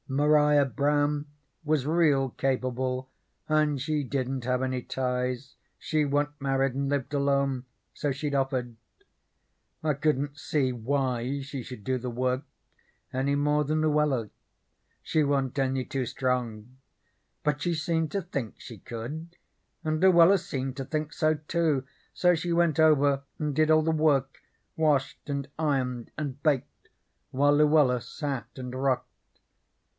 Maria Brown was real capable and she didn't have any ties; she wa'n't married, and lived alone, so she'd offered. I couldn't see why she should do the work any more than Luella; she wa'n't any too strong; but she seemed to think she could and Luella seemed to think so, too, so she went over and did all the work washed, and ironed, and baked, while Luella sat and rocked.